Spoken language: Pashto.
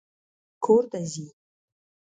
کور ته ځي